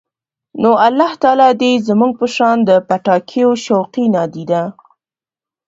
نو الله تعالی دې زموږ په شان د پټاکیو شوقي، نادیده